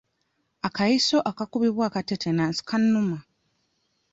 Akayiso akakubibwa aka tetanasi kannuma.